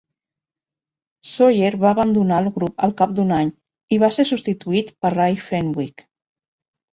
Sawyer va abandonar el grup al cap d'un any i va ser substituït per Ray Fenwick.